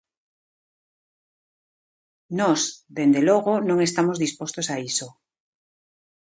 Nós, dende logo, non estamos dispostos a iso.